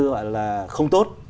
gọi là không tốt